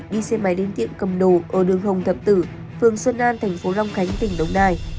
đi xe máy đến tiệm cầm đồ ở đường hồng thập tử phường xuân an thành phố long khánh tỉnh đồng nai